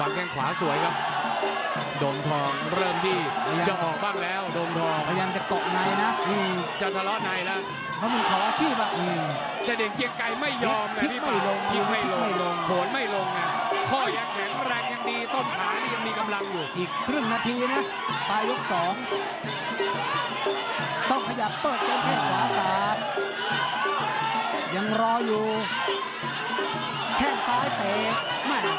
โอ้โหโอ้โหโอ้โหโอ้โหโอ้โหโอ้โหโอ้โหโอ้โหโอ้โหโอ้โหโอ้โหโอ้โหโอ้โหโอ้โหโอ้โหโอ้โหโอ้โหโอ้โหโอ้โหโอ้โหโอ้โหโอ้โหโอ้โหโอ้โหโอ้โหโอ้โหโอ้โหโอ้โหโอ้โหโอ้โหโอ้โหโอ้โหโอ้โหโอ้โหโอ้โหโอ้โหโอ้โห